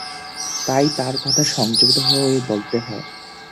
তাই তাঁর কথা সংযত হয়ে বলতে হয়।